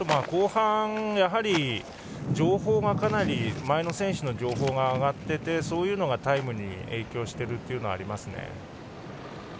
後半、やはり前の選手の情報が上がっててそういうのがタイムに影響しているというのはあります。